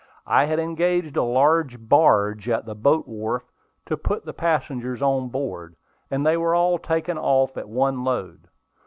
I had engaged a large barge at the boat wharf to put the passengers on board, and they were all taken off at one load.